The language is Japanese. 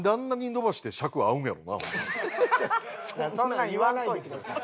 そんなん言わないでください。